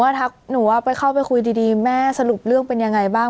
ทักหนูว่าไปเข้าไปคุยดีแม่สรุปเรื่องเป็นยังไงบ้าง